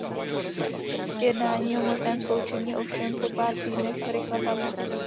Jednání o možném sloučení ovšem po pár týdnech rychle padla.